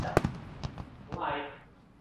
G‘am ekan dunyoning oxiri, boshi